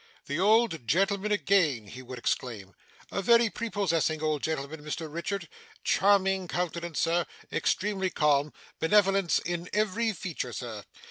'The old gentleman again!' he would exclaim, 'a very prepossessing old gentleman, Mr Richard charming countenance, sir extremely calm benevolence in every feature, sir.